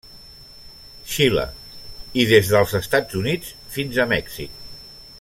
Xile i des dels Estats Units fins a Mèxic.